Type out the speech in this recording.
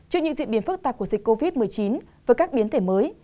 trong những diễn biến phức tạp của dịch covid một mươi chín và các biến thể mới